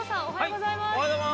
おはようございます。